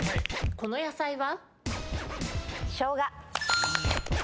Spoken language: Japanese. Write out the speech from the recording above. この野菜は？